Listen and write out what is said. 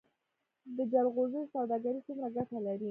د جلغوزیو سوداګري څومره ګټه لري؟